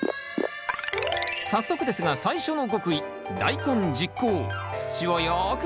早速ですが最初の極意